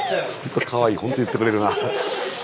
カワイイ本当言ってくれるな。